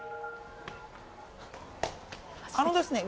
あのですね、